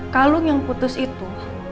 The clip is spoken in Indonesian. kalung yang putus itu